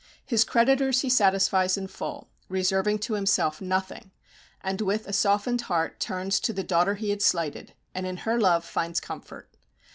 His creditors he satisfies in full, reserving to himself nothing; and with a softened heart turns to the daughter he had slighted, and in her love finds comfort.